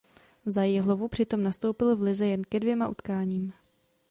Za Jihlavu přitom nastoupil v lize jen ke dvěma utkáním.